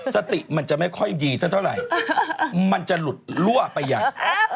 สติมันจะไม่ค่อยดีเท่าไหร่มันจะหลุดลั่วไปอย่าง